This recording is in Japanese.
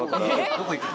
どこ行くの？